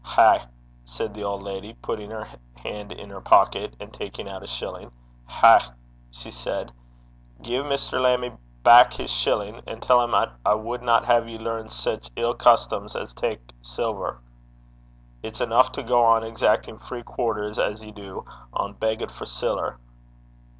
Hae!' said the old lady, putting her hand in her pocket, and taking out a shilling. 'Hae,' she said. 'Gie Mr. Lammie back his shillin', an' tell 'im 'at I wadna hae ye learn sic ill customs as tak siller. It's eneuch to gang sornin' upon 'im (exacting free quarters) as ye du, ohn beggit for siller.